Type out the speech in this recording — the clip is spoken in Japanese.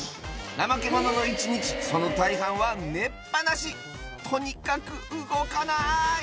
ナマケモノの一日その大半は寝っ放しとにかく動かない！